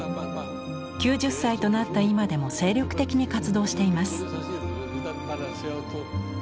９０歳となった今でも精力的に活動しています。